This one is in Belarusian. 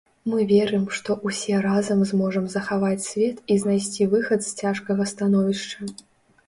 Мы верым, што ўсе разам зможам захаваць свет і знайсці выхад з цяжкага становішча!